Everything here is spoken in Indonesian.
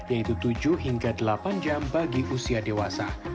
yaitu tujuh hingga delapan jam bagi usia dewasa